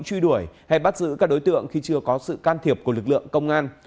truy đuổi hay bắt giữ các đối tượng khi chưa có sự can thiệp của lực lượng công an